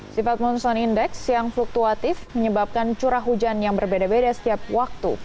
sifat monsoon index yang fluktuatif menyebabkan curah hujan yang berbeda beda setiap waktu